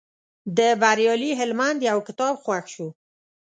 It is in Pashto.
د بریالي هلمند یو کتاب خوښ شو.